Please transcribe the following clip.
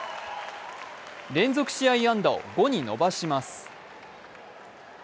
連続試合安打を５に伸ばします。